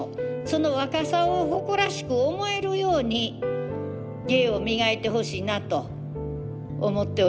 その若さを誇らしく思えるように芸を磨いてほしいなと思っております。